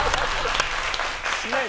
しない！